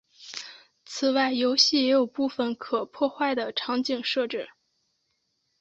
此外游戏也有部分可破坏的场景设计。